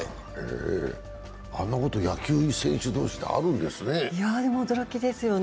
あんなこと野球選手同士であるんですね。